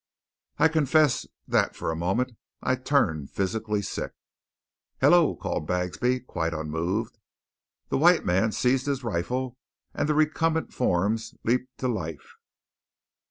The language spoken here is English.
I confess that for a moment I turned physically sick. "Hello!" called Bagsby, quite unmoved. The white man seized his rifle, and the recumbent forms leaped to life.